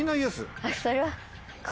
それは。